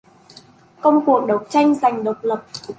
công cuộc đấu tranh giành độc lập